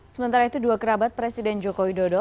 sementara itu dua kerabat presiden joko widodo